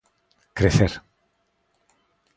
Crecer.